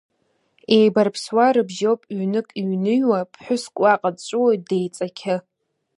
Еибарԥсуа рыбжьоуп ҩнык иҩныҩуа, ԥҳәыск уаҟа дҵәуоит деиҵақьы.